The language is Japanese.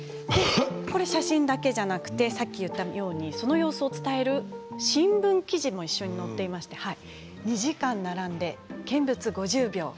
これは写真だけじゃなくてさっき言ったようにその様子を伝える新聞記事も一緒に載っていて２時間、並んで見物５０秒。